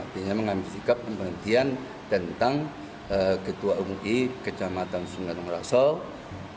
dengan mengambil sikap pemberhentian tentang ketua mui kecamatan sungai raksasa